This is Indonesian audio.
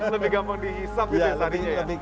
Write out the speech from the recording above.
lebih gampang dihisap gitu ya sari nya ya